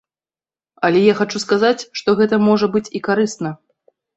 Але я хачу сказаць, што гэта можа быць і карысна.